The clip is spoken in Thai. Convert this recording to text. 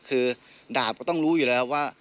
คือดาบก็ต้องรู้อยู่แล้วว่า